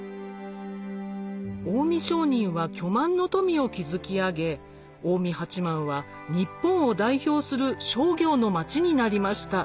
近江商人は巨万の富を築き上げ近江八幡は日本を代表するになりました